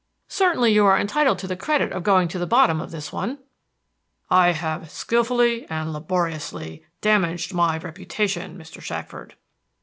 "Certainly you are entitled to the credit of going to the bottom of this one." "I have skillfully and laboriously damaged my reputation, Mr. Shackford." Mr.